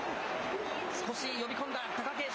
少し呼び込んだ、貴景勝。